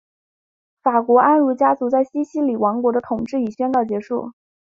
法国安茹家族在西西里王国的统治已宣告结束。